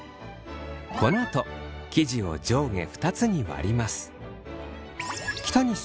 このあと生地を上下２つに割ります。